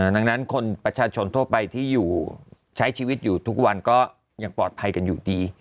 ดังนั้นคนประชาชนทั่วไปที่ใช้ชีวิตอยู่ทุกวันก็ยังปลอดภัยกันอยู่ดี